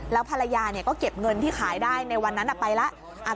แล้วภรรยาก็เก็บเงินที่ขายได้ในวันนั้นไปแล้ว